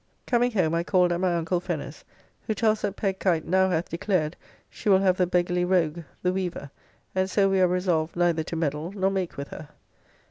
Coming home I called at my uncle Fenner's, who tells that Peg Kite now hath declared she will have the beggarly rogue the weaver, and so we are resolved neither to meddle nor make with her.